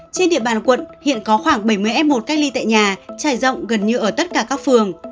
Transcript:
trên địa bàn quận hiện có khoảng bảy mươi f một cách ly tại nhà trải rộng gần như ở tất cả các phường